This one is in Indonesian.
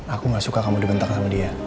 aku gak suka kamu dibentang sama dia